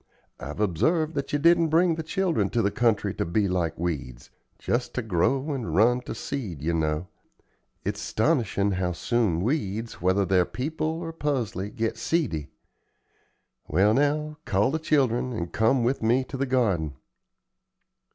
I've observed that you didn't bring the children to the country to be like weeds just ter grow and run ter seed, ye know. It's 'stonishin' how soon weeds, whether they're people or pusley, get seedy. Well, now, call the children and come with me to the garden."